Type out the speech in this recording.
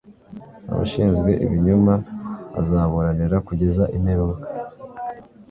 Abashinjwe ibinyoma azaburanira kugeza imperuka